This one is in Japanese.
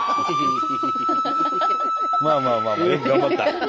まあまあよく頑張った。